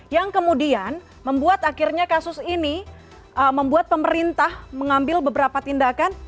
yang kemudian membuat akhirnya kasus ini membuat pemerintah mengambil beberapa tindakan